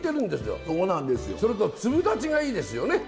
それと粒立ちがいいですよね。